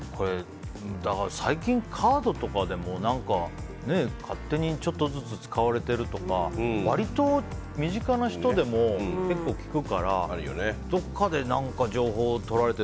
最近カードとかでも勝手にちょっとずつ使われてるとか割と身近な人でも結構聞くからどこかで何か情報を取られて。